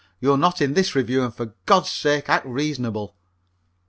You're not in on this review, and for God's sake act reasonable."